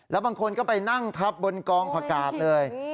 แล้วบางคนก็ไปนั่งทับบนกองผักกาศเลย